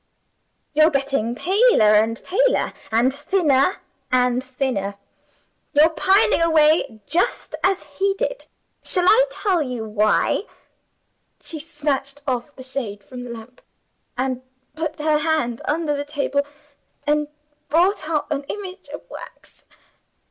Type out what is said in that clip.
You're getting paler and paler, and thinner and thinner; you're pining away just as he did. Shall I tell you why?' She snatched off the shade from the lamp, and put her hand under the table, and brought out an image of wax.